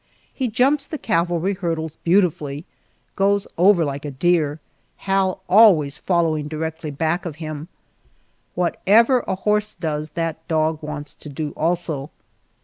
He jumps the cavalry hurdles beautifully goes over like a deer, Hal always following directly back of him. Whatever a horse does that dog wants to do also.